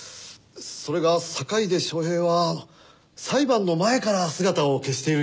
それが坂出昌平は裁判の前から姿を消しているようでして。